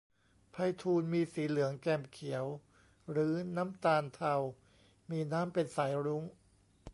ไพฑูรย์ มีสีเหลืองแกมเขียว หรือน้ำตาลเทา มีน้ำเป็นสายรุ้ง